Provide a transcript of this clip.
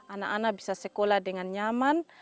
anak anak bisa sekolah dengan nyaman